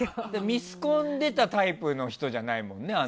ミスコン出たタイプの人じゃないもんね。